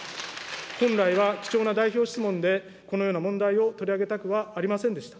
本来は貴重な代表質問で、このような問題を取り上げたくはありませんでした。